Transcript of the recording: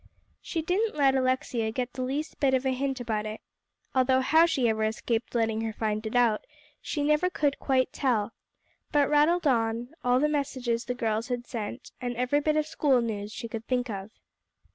She didn't let Alexia get the least bit of a hint about it, although how she ever escaped letting her find it out, she never could quite tell, but rattled on, all the messages the girls had sent, and every bit of school news she could think of.